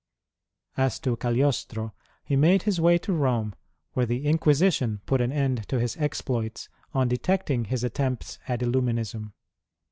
As to Cagliostro, he made his way to Rome, where the Inquisition put an end to his exploits on detecting his attempts at lUuminism.